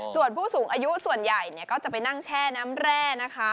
ส่วนผู้สูงอายุส่วนใหญ่ก็จะไปนั่งแช่น้ำแร่นะคะ